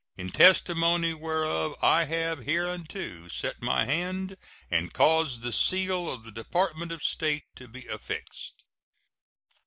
In testimony whereof I have hereunto set my hand and caused the seal of the Department of State to be affixed.